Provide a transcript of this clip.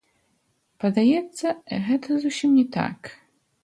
Падаецца, гэта зусім не так.